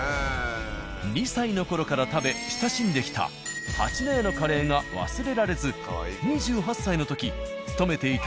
２歳のころから食べ親しんできた「蜂の家」のカレーが忘れられず２８歳の時勤めていた